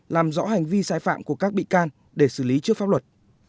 làm rõ hành vi sai phạm của các bị can để xử lý trước pháp luật